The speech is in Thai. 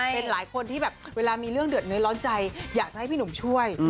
เป็นหลายคนที่แบบเวลามีเรื่องเดือดเนื้อร้อนใจอยากจะให้พี่หนุ่มช่วย